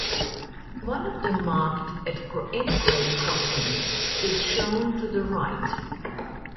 One of the marked at-grade crossings is shown to the right.